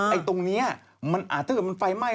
ไอ้ตรงเนี้ยถ้าเกิดมันไฟไหม้